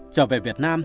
trở về việt nam